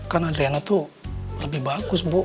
kan adriana tuh lebih bagus bu